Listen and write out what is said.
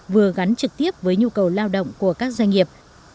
vừa gắn trực tiếp với nhu cầu lao động của các doanh nghiệp